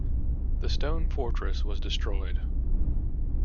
The stone fortress was destroyed.